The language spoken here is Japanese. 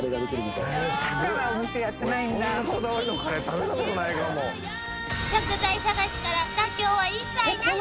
［食材探しから妥協は一切なし］